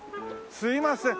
すいません。